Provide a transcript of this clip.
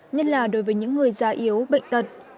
nhất là đối với những người già yếu bệnh tật